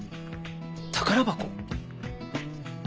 宝箱？